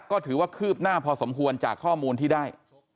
ก็ถือว่าคืบหน้าพอสมควรจากข้อมูลที่ได้